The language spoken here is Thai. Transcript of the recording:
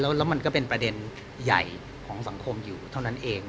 แล้วมันก็เป็นประเด็นใหญ่ของสังคมอยู่เท่านั้นเอง